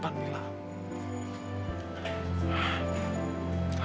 bukan karena aku gak serius sama kamu mila